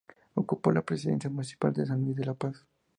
Ocupó la presidencia municipal de San Luis de la Paz.